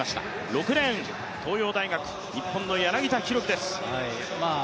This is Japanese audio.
６レーン、東洋大学、日本の柳田大輝です。